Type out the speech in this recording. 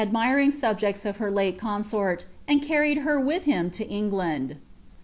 kdmiring Bobjects of lier lale eonaort, and carried her with liiin to Eng land.